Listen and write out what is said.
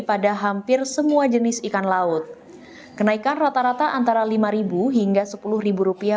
pada hampir semua jenis ikan laut kenaikan rata rata antara lima hingga sepuluh rupiah